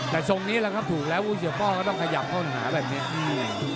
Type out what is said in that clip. แต่ทรงนี้ถูกแล้วอุ้ยเสือป้อก็ต้องขยับเข้าหน้าแบบนี้